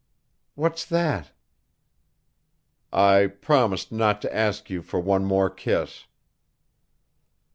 'What's that?' 'I promised not to ask you for one more kiss.'